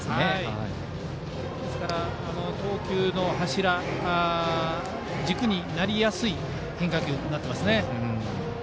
ですから投球の柱、軸になりやすい変化球になってます。